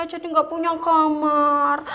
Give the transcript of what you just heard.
jadi gak punya kamar